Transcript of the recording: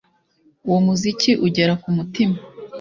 Uwo muziki ugera kumutima